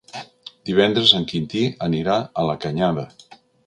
Divendres en Quintí anirà a la Canyada.